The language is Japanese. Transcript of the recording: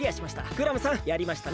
クラムさんやりましたね。